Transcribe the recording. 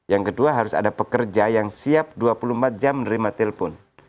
yang kedua harus ada pekerja yang siap dua puluh empat jam menerima telepon